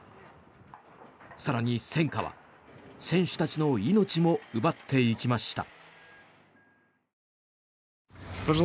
更に、戦火は選手たちの命も奪っていきました。